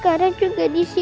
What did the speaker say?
kamu harus lihat kesana